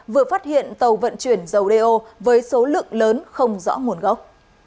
vừa phát hiện tàu vận chuyển dầu đeo với số lượng lớn không rõ nguồn gốc